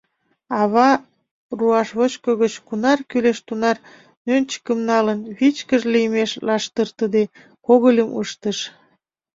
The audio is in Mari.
Ава, руашвочко гыч кунар кӱлеш тунар нӧнчыкым налын, вичкыж лиймеш лаштыртыде, когыльым ыштыш.